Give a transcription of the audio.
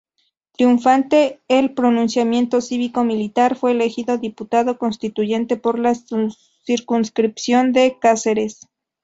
Triunfante el pronunciamiento cívico-militar, fue elegido diputado constituyente por la circunscripción de Cáceres.